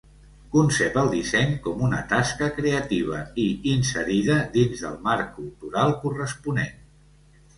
Concep el disseny com una tasca creativa i inserida dins del marc cultural corresponent.